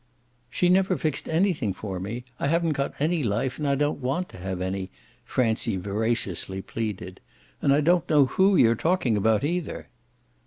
"She never fixed anything for me. I haven't got any life and I don't want to have any," Francie veraciously pleaded. "And I don't know who you're talking about either!"